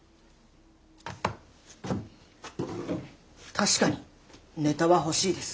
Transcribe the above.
確かにネタは欲しいです。